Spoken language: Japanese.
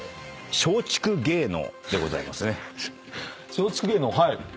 松竹芸能はい。